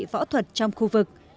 võ thuật trong khu vực